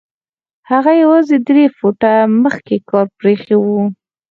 هغه يوازې درې فوټه مخکې کار پرېښی و.